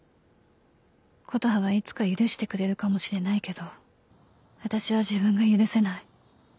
「琴葉はいつか許してくれるかもしれないけど私は自分が許せない」